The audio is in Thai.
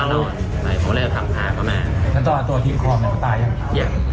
เราเราเริ่มทำภาคมากแล้วต่อตัวทิมความจะตายยังยัง